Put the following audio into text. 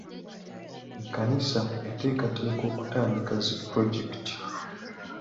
Ekkanisa eteekateeka okutandika zi pulojekiti.